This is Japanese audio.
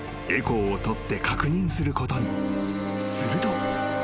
［すると］